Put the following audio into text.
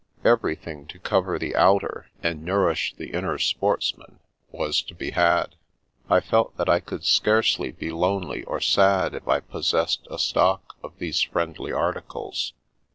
Everything to cover the outer, and nourish the inner sportsman, was to be had. I felt that I could scarcely be lonely or sad if I possessed a stock of these friendly articles.